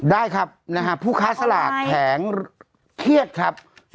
ได้ครับผู้ค้าสลากแผงเครียดครับ